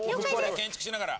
建築しながら。